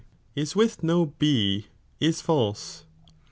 is with no B is fabe.